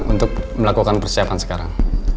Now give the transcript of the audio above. untuk melakukan persiapan sekarang